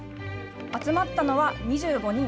集まったのは２５人。